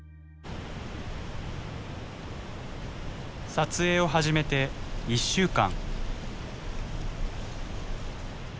撮影を始めて１週間。